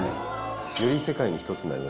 より世界に一つになる。